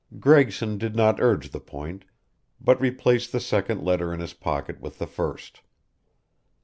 Gregson did not urge the point, but replaced the second letter in his pocket with the first.